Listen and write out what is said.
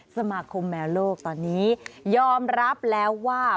สมาคมแมวโลกตอนนี้ยอมรับแล้วว่า